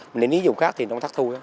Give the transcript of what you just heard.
mình đi vùng khác thì nó thắt thu